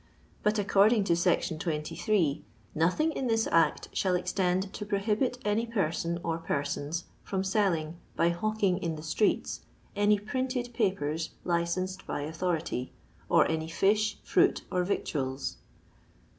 But according to s. 23, " nothing in this Act shall extend to prohibit any person or persons from selling (by hawking in the streets) any printed papers licensed by authority; or any fish, fruit, or victuals."